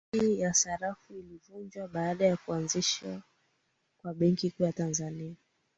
bodi ya sarafu ilivunjwa baada ya kuanzishwa kwa benki kuu ya tanzania